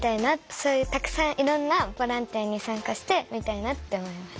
そういうたくさんいろんなボランティアに参加してみたいなって思いました。